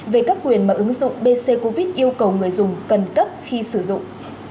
về các quyền mở ứng dụng bc covid yêu cầu người dùng cân cấp khi sử dụng